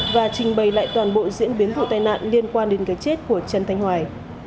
và trình bày lại toàn bộ diễn biến vụ tai nạn liên quan đến cái chết của trần thanh hoài